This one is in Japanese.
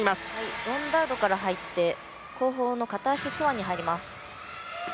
ロンダートから入って、後方の片足スワンに入ります。